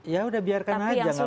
ya sudah biarkan saja